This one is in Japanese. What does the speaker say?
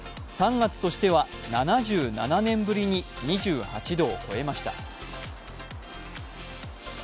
３月としては７７年ぶりに２８度を超えました。